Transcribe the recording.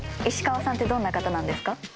石川さんってどんな方なんですか？